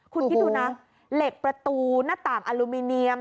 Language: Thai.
คุณคิดดูนะเหล็กประตูหน้าต่างอลูมิเนียม